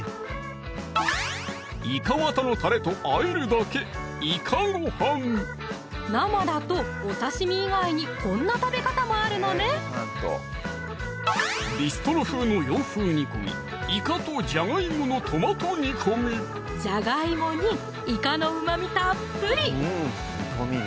いかわたのたれとあえるだけ生だとお刺身以外にこんな食べ方もあるのねビストロ風の洋風煮込みじゃがいもにいかのうまみたっぷり！